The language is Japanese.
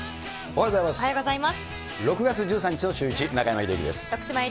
おはようございます。